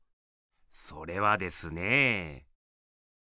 それはですね